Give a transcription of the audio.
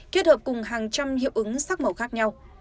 kết hợp cùng hàng trăm hiệu ứng sắc màu khác nhau